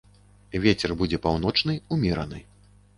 Вецер будзе паўночны, умераны.